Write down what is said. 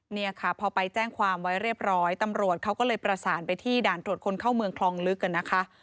เนี่ยค่ะพอไปแจ้งความไว้เรียบร้อยตำรวจเขาก็เลยประสานไปที่ด่านตรวจคนเข้าเมืองคลองลึกนะคะ